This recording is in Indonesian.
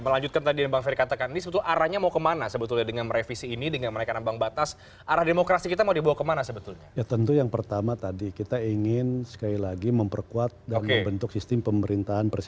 nanti dijawabkan saat kita beritahu